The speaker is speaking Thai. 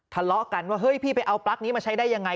ทะเลาะกันว่าเฮ้ยพี่ไปเอาปลั๊กนี้มาใช้ได้ยังไง